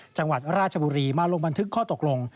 จังหวัดราชบุรีมาลงบันทึกข้อตกลง